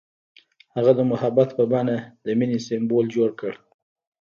هغه د محبت په بڼه د مینې سمبول جوړ کړ.